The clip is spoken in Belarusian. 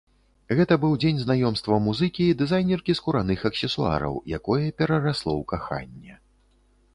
Гэта быў дзень знаёмства музыкі і дызайнеркі скураных аксесуараў, якое перарасло ў каханне.